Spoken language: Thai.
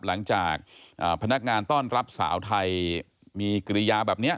หลังจากพนักงานต้อนรับสาวไทยมีกิริยาแบบนี้